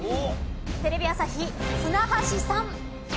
テレビ朝日、舟橋さん